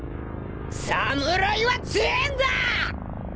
侍は強えんだ！